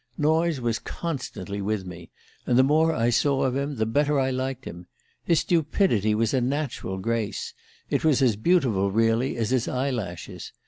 Noyes was constantly with me, and the more I saw of him the better I liked him. His stupidity was a natural grace it was as beautiful, really, as his eye lashes.